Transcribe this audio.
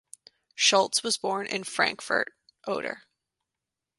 Schulz was born in Frankfurt (Oder).